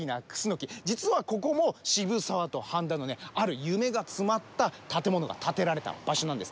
実はここも渋沢と繁田のある夢が詰まった建物が建てられた場所なんです。